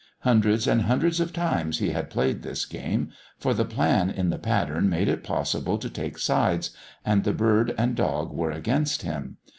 Hundreds and hundreds of times he had played this game, for the plan in the pattern made it possible to take sides, and the bird and dog were against him.